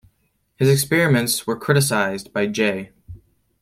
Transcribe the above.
His experiments were criticised by J.